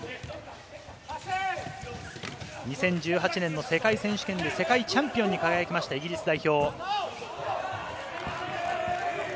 ２０１８年の世界選手権で世界チャンピオンに輝きましたイギリス代表。